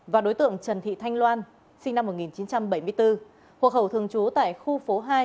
và đối tượng trần thị thanh loan sinh năm một nghìn chín trăm bảy mươi bốn hộ khẩu thường trú tại khu phố hai